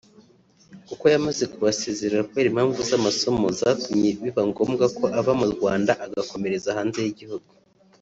kuko yamaze kubasezera kubera impamvu z’amasomo zatumye biba ngombwa ko ava mu Rwanda agakomereza hanze y’igihugu